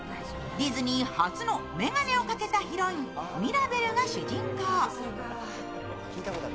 ディズニー初の眼鏡をかけたヒロイン・ミラベルが主人公。